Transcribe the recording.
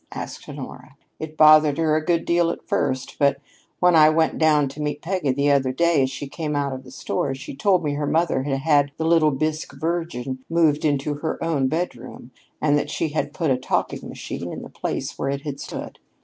asked Honora. "It bothered her a good deal at first, but when I went down to meet Peggy the other day as she came out of the store, she told me her mother had had the little bisque Virgin moved into her own bedroom and that she had put a talking machine in the place where it had stood.